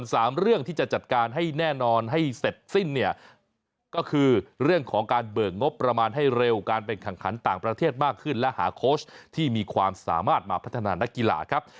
สามเรื่องที่จะจัดการให้แน่นอนให้เสร็จสิ้นเนี่ยก็คือเรื่องของการเบิกงบประมาณให้เร็วการเป็นแข่งขันต่างประเทศมากขึ้นและหาโค้ชที่มีความสามารถมาพัฒนานักกีฬาครับ